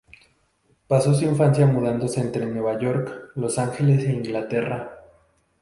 Pasó su infancia mudándose entre Nueva York, Los Ángeles e Inglaterra.